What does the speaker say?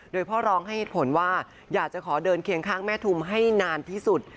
โดยพ่อร้องให้เหตุผลว่าอยากจะขอเดินเคียงข้างแม่ทุมให้นานที่สุด